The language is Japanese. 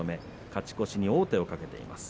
勝ち越しに王手をかけています